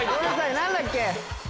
何だっけ？